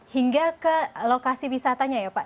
hingga ke lokasi wisatanya ya pak